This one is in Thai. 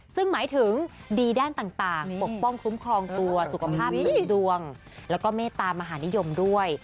ซึ่งหมายถึงดีด้านต่างปกป้องคุ้มครองตัวสุขภาพเสริมดวงแล้วก็เมตตามหานิยมด้วย